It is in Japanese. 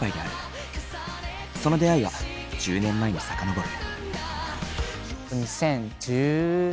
その出会いは１０年前に遡る。